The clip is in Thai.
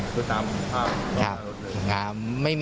คือตามภาพรถเขาจากรถเลยครับครับ